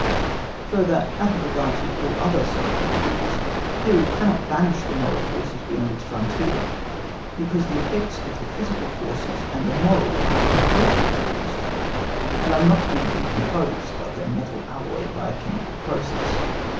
Further out of regard to all other so called rules, theory cannot banish the moral forces beyond its frontier, because the effects of the physical forces and the moral are completely fused, and are not to be decomposed like a metal alloy by a chemical process.